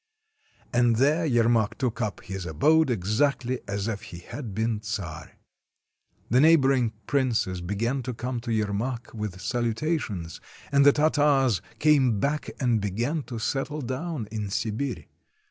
And there Yermak took up his abode exactly as if he had been czar. The neighboring princes began to come to Yermak with salutations, and the Tartars came back and began to settle down in Sibir.